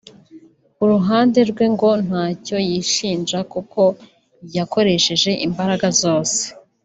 ku ruhande rwe ngo ntacyo yishinja kuko yakoresheje imbaraga zose